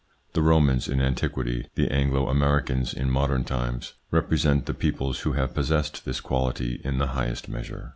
The Romans in antiquity, the Anglo Americans in modern times, represent the peoples who have possessed this quality in the highest measure.